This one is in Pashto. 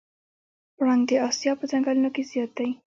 پړانګ د اسیا په ځنګلونو کې زیات دی.